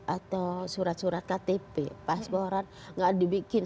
atau surat surat ktp pasporan nggak dibikin